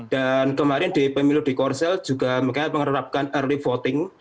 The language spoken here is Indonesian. dan kemarin di pemilu di korsail juga mereka menerapkan early voting